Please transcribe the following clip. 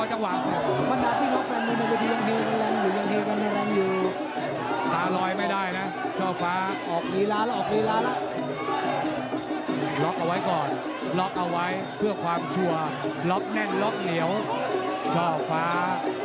ต้องก่อนไหนไว้ก่อนเลยนะครับชอบฟ้า